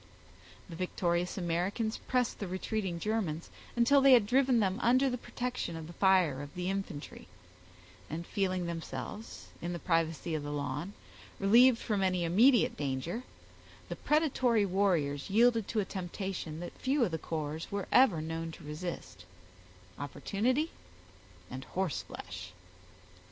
The victorious Americans pressed the retreating Germans until they had driven them under the protection of the fire of the infantry; and feeling themselves, in the privacy of the lawn, relieved from any immediate danger, the predatory warriors yielded to a temptation that few of the corps were ever known to resist—opportunity and horseflesh.